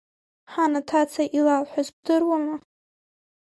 Ҳан аҭаца илалҳәаз бдыруама?